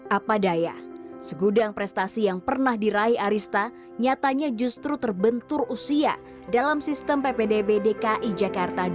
apa daya segudang prestasi yang pernah diraih arista nyatanya justru terbentur usia dalam sistem ppdb dki jakarta dua ribu dua puluh